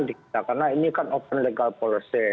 di kita karena ini kan open legal policy